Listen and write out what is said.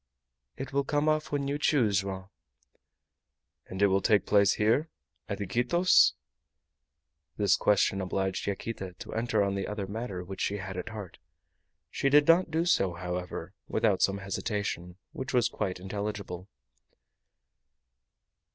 "It will come off when you choose, Joam." "And it will take place here at Iquitos?" This question obliged Yaquita to enter on the other matter which she had at heart. She did not do so, however, without some hesitation, which was quite intelligible.